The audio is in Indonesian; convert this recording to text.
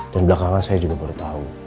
dan belakangan saya juga baru tau